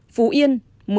phú yên một mươi